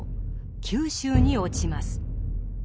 九州に落ちます。